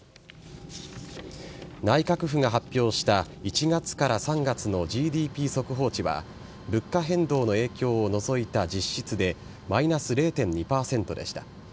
内閣府が発表した１月から３月のＧＤＰ速報値は物価変動の影響を除いた実質でマイナス０．２％でした。